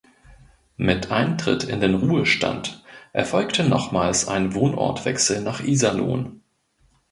Mit Eintritt in den Ruhestand erfolgte nochmals ein Wohnortwechsel nach Iserlohn.